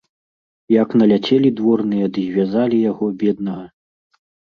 Як наляцелі дворныя ды звязалі яго, беднага.